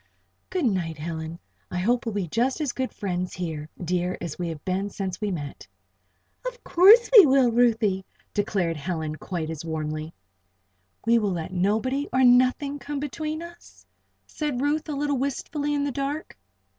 "Good night, Helen. I hope we'll be just as good friends here, dear, as we have been since we met." "Of course we will, Ruthie!" declared Helen, quite as warmly. "We will let nobody, or nothing, come between us?" said Ruth, a little wistfully in the dark.